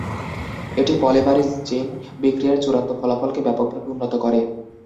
এটি polymerase chain বিক্রিয়ার চূড়ান্ত ফলাফলকে ব্যাপকভাবে উন্নত করে।